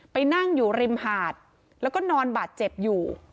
ไปนั่งอยู่ริมหาดแล้วก็นอนบาดเจ็บอยู่